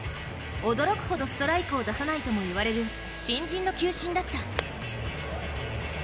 驚くほどストライクを出さないともいわれる新人の球審だった。